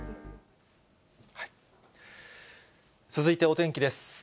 続いてお天気です。